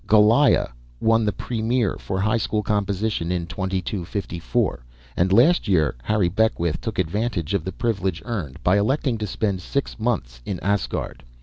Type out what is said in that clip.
"Goliah" won the Premier for high school composition in 2254, and last year Harry Beckwith took advantage of the privilege earned, by electing to spend six months in Asgard.